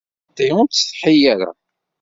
Xaṭi, ur ttsetḥi ara!